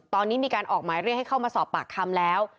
ตอนนี้มีการออกหมายเรียกให้เข้ามาสอบปากคำแล้ว